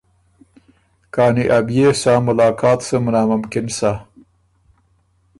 کانی ا بيې سا ملاقات سُو ناممکِن سۀ۔